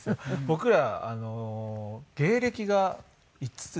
僕ら芸歴が５つですか？